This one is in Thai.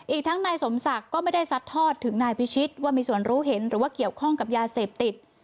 อีกทั้งนายสมศักดิ์ก็ไม่ได้ซัดทอดถึงนายพิชิตว่ามีส่วนรู้เห็นหรือว่าเกี่ยวข้องกับยาเสพติด